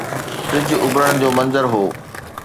سج اڀرڻ جو منظر هو.